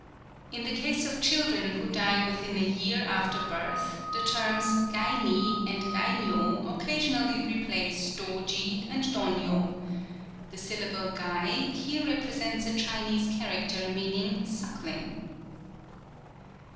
In the case of children who die within a year after birth, the terms Gaini and Gainyo occasionally replace Dōji and Dōnyo. The syllable Gai here represents a Chinese character meaning "suckling."